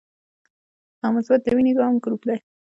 او مثبت د وینې عام ګروپ دی